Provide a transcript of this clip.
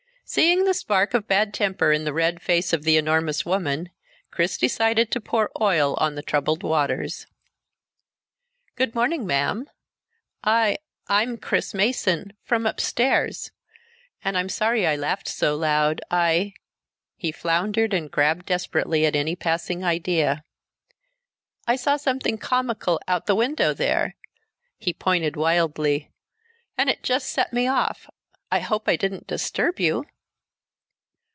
Seeing the spark of bad temper in the red face of the enormous woman, Chris decided to pour oil on the troubled waters. "Good morning, ma'am. I I'm Chris Mason, from upstairs, and I'm sorry I laughed so loud. I " he floundered and grabbed desperately at any passing idea " I saw something comical out the window there" he pointed wildly "and it just set me off. I hope I didn't disturb you?"